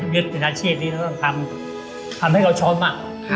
ยึดที่นักชีพนี้ก็ต้องทำให้เขาชมอะ